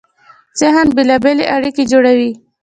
ذهن بېلابېلې اړیکې جوړوي.